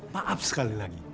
maaf sekali lagi